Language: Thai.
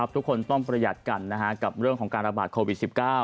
ทุกคนต้องประหยัดกันกับเรื่องของการระบาดโควิด๑๙